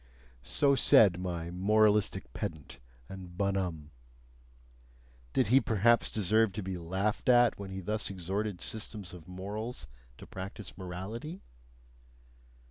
So said my moralistic pedant and bonhomme. Did he perhaps deserve to be laughed at when he thus exhorted systems of morals to practise morality?